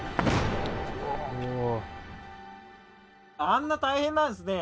あんな大変なんですね